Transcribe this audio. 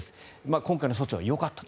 今回の措置はよかったと。